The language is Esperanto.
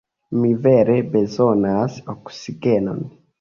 Mi vere bezonas oksigenon.